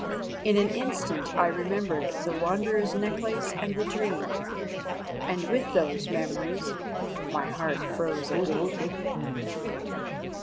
In an instant I remembered the Wanderer's necklace and the dream and with those memories my heart froze again.